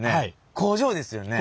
工場ですね